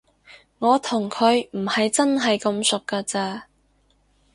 我同佢唔係真係咁熟㗎咋